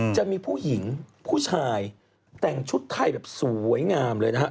จะมีผู้หญิงผู้ชายแต่งชุดไทยแบบสวยงามเลยนะฮะ